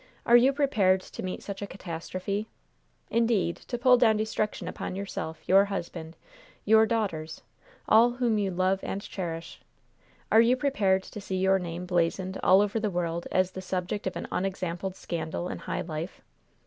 Are you prepared to meet such a catastrophe? Indeed, to pull down destruction upon yourself, your husband, your daughters all whom you love and cherish? Are you prepared to see your name blazoned all over the world as the subject of an unexampled scandal in high life?